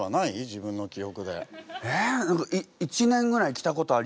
自分の記憶で。